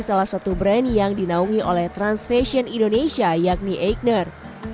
salah satu brand yang dinaungi oleh trans fashion indonesia yakni eikner